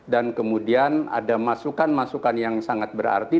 dan kemudian ada masukan masukan yang sangat berarti